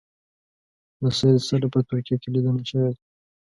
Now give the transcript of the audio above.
له سید سره یې په ترکیه کې لیدنه شوې ده.